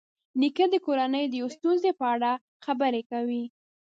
نیکه د کورنۍ د یوې ستونزې په اړه خبرې کوي.